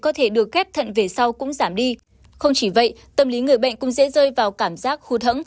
có thể được ghép thận về sau cũng giảm đi không chỉ vậy tâm lý người bệnh cũng dễ rơi vào cảm giác khô thẫng